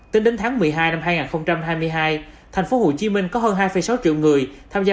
tính đến tháng một mươi hai năm hai nghìn hai mươi hai tp hcm có hơn hai sáu triệu người tham gia